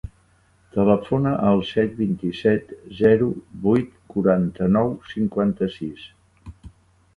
Telefona al set, vint-i-set, zero, vuit, quaranta-nou, cinquanta-sis.